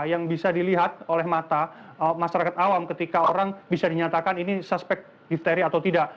yang bisa dilihat oleh mata masyarakat awam ketika orang bisa dinyatakan ini suspek difteri atau tidak